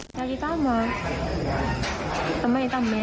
ได้กินคำเหรอ